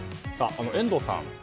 遠藤さん